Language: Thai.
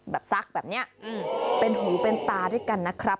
ซักแบบนี้เป็นหูเป็นตาด้วยกันนะครับ